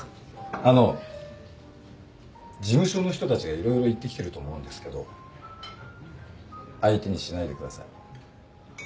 あの事務所の人たちが色々言ってきてると思うんですけど相手にしないでください。